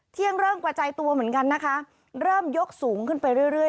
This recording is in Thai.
เที่ยงเริ่มกระจายตัวเหมือนกันนะคะเริ่มยกสูงขึ้นไปเรื่อย